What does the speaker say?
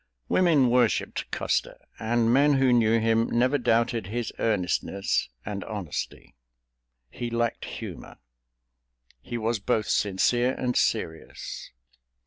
Women worshiped Custer, and men who knew him, never doubted his earnestness and honesty. He lacked humor. He was both sincere and serious.